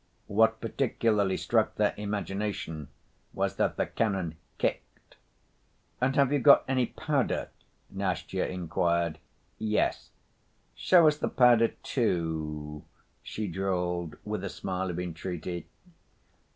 What particularly struck their imagination was that the cannon kicked. "And have you got any powder?" Nastya inquired. "Yes." "Show us the powder, too," she drawled with a smile of entreaty.